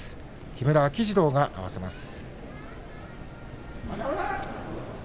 木村秋治郎が合わせます。